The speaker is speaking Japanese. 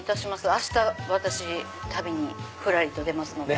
明日私旅にふらりと出ますので。